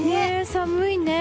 寒いね。